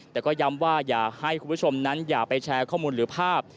แต่ก็ย้ำว่าอย่าให้คุณผู้ชมนั้นอย่าไปแชร์ข้อมูลหรือภาพ